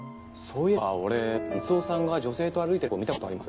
そういえば俺松生さんが女性と歩いてるとこ見たことあります。